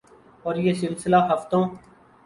اور یہ سلسلہ ہفتوں